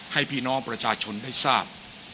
ให้พี่น้องประชาชนได้ทราบ